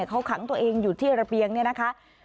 เขาขังตัวเองอยู่ที่ระเบียงเนี่ยนะคะ